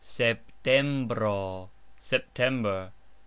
Septembro : September.